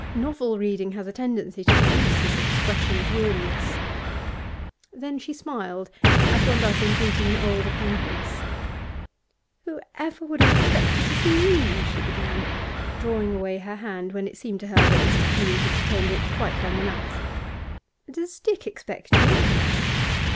Novel reading has a tendency to produce this expression of weariness. Then she smiled, as one does in greeting an old acquaintance. 'Who ever would have expected to see you!' she began, drawing away her hand when it seemed to her that Mr. Keene had detained it quite long enough. 'Does Dick expect you?